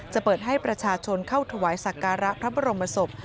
เปิดให้ประชาชนเข้าถวายสักการะพระบรมศพ